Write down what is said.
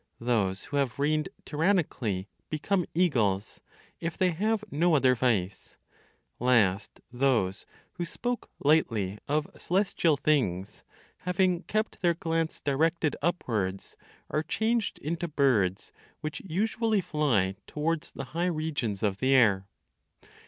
Those who have reigned tyrannically, become eagles, if they have no other vice. Last, those who spoke lightly of celestial things, having kept their glance directed upwards, are changed into birds which usually fly towards the high regions of the air.